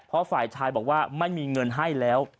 เพราะฝ่ายชายบอกว่าไม่มีเงินให้แล้ว